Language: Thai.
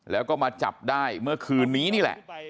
แล้วก็มาจับได้เมื่อคืนนี้นี่แหละ